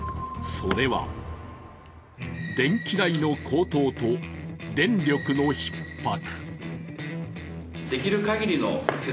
それは電気代の高騰と、電力のひっ迫。